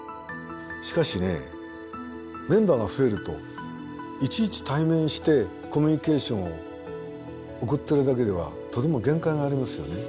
しかしメンバーが増えるといちいち対面してコミュニケーションを送っているだけではとても限界がありますよね。